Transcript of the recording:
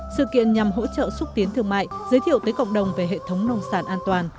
sự kiện nhằm hỗ trợ xúc tiến thương mại giới thiệu tới cộng đồng về hệ thống nông sản an toàn